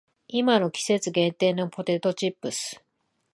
今の季節限定のポテトチップス